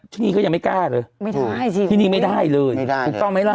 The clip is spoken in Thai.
ที่นี่ก็ยังไม่กล้าหรือที่นี่ไม่ได้เลยถูกต้องไหมล่ะ